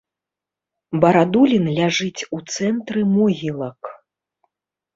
Барадулін ляжыць у цэнтры могілак.